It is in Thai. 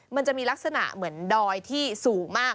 มันจะมีลักษณะเหมือนดอยที่สูงมาก